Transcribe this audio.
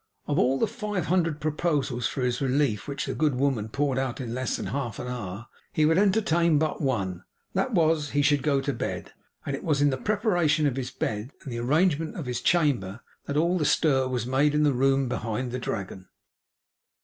Of all the five hundred proposals for his relief which the good woman poured out in less than half an hour, he would entertain but one. That was that he should go to bed. And it was in the preparation of his bed and the arrangement of his chamber, that all the stir was made in the room behind the Dragon.